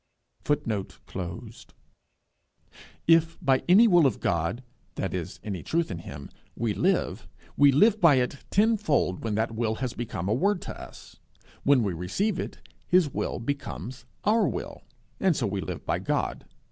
] If, by any will of God that is, any truth in him we live, we live by it tenfold when that will has become a word to us. When we receive it, his will becomes our will, and so we live by God.